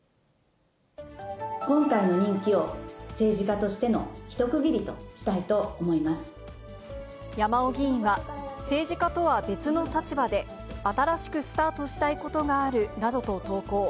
今回の任期を、政治家として山尾議員は、政治家とは別の立場で新しくスタートしたいことがあるなどと投稿。